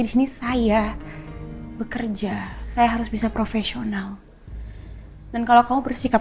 di sini saya bekerja saya harus bisa profesional dan kalau kamu bersikap